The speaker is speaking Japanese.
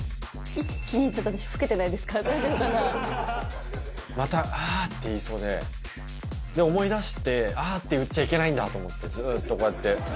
一気にちょっと私、老けてなまた、ああって言いそうで、で、思い出して、あって言っちゃいけないんだって思って、ずっとこうやって。